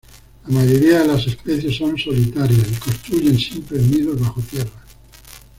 La mayoría de las especies son solitarias y construyen simples nidos bajo tierra.